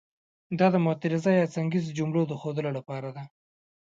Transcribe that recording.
دا د معترضه یا څنګیزو جملو د ښودلو لپاره ده.